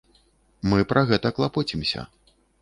Мы пра гэта клапоцімся.